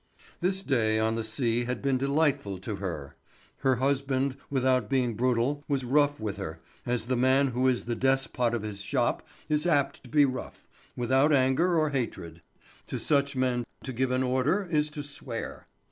This day on the sea had been delightful to her. Her husband, without being brutal, was rough with her, as a man who is the despot of his shop is apt to be rough, without anger or hatred; to such men to give an order is to swear.